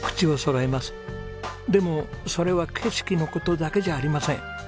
でもそれは景色の事だけじゃありません。